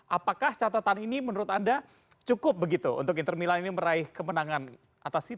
apakah catatan ini menurut anda cukup begitu untuk inter milan ini meraih kemenangan atas city